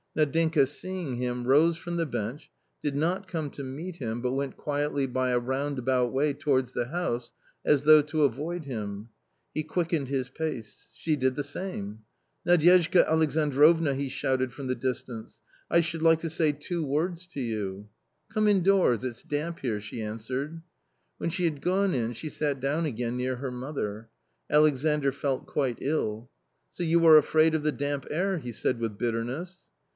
Nadinka seeing him, rose from the bench, did not come to meet him, but went quietly by a roundabout way towards the house, as though to avoid him. He quickened his pace, she did the same. " Nadyezhda Alexandrovna !" he shouted from the dis tance, " I should like to say two words to you." " Come indoors ; it's damp here," she answered. When she had gone in, she sat down again near her mother. Alexandr felt quite ill. " So you are afraid of the damp air," he said with bitter ness.